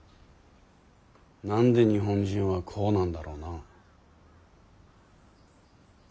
何で日本人はこうなんだろうな。